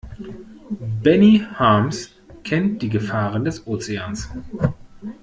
Benny Harms kennt die Gefahren des Ozeans.